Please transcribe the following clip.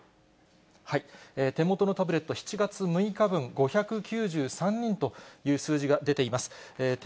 手元のタブレット、７月６日分、５９３人という数字が出ています。